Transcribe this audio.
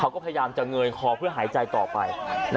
พยายามจะเงยคอเพื่อหายใจต่อไป